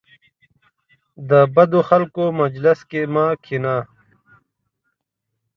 د بدو خلکو مجلس کې مه کینه .